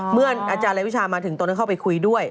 เมื่ออาจารย์รายวิชามาถึงตอนนั้นเข้าไปคุยด้วย